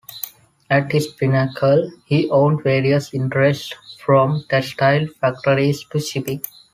At his pinnacle he owned various interests from textile factories to shipping.